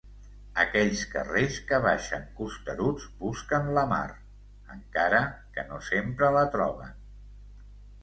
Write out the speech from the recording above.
Aquells carrers que baixen costeruts busquen la mar, encara que no sempre la troben.